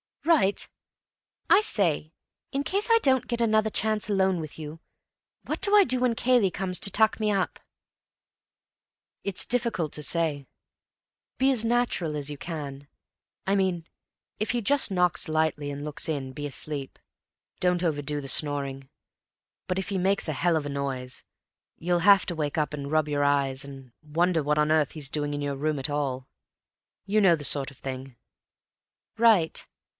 "Right. I say, in case I don't get another chance alone with you—what do I do when Cayley comes to tuck me up?" "It's difficult to say. Be as natural as you can. I mean, if he just knocks lightly and looks in, be asleep. Don't overdo the snoring. But if he makes a hell of a noise, you'll have to wake up and rub your eyes, and wonder what on earth he's doing in your room at all. You know the sort of thing." "Right.